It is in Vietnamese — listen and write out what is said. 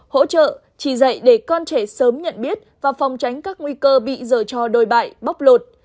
hỗ trợ chỉ dạy để con trẻ sớm nhận biết và phòng tránh các nguy cơ bị dở cho đồi bại bóc lột